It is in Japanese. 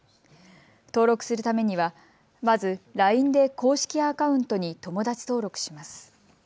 登録するためにはまずＬＩＮＥで公式アカウントに友だち登録します。